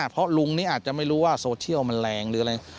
เพราะลุงนี้อาจจะไม่รู้ว่าโซเชียลมันแรงหรืออะไร